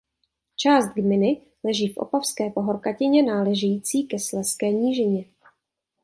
Část gminy leží v Opavské pahorkatině náležející ke Slezské nížině.